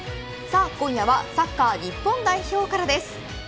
今夜はサッカー日本代表からです。